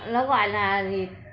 nó gọi là gì